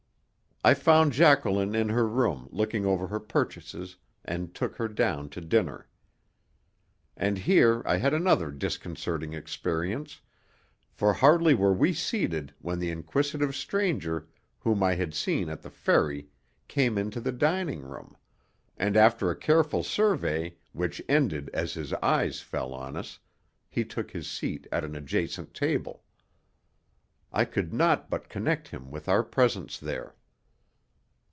I found Jacqueline in her room looking over her purchases, and took her down to dinner. And here I had another disconcerting experience, for hardly were we seated when the inquisitive stranger whom I had seen at the ferry came into the dining room, and after a careful survey which ended as his eyes fell on us, he took his seat at an adjacent table. I could not but connect him with our presence there.